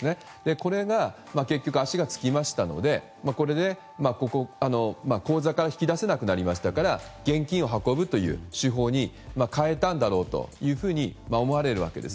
これで結局、足がつきましたので口座から引き出せなくなりましたから現金を運ぶという手法に変えたんだろうというふうに思われるわけです。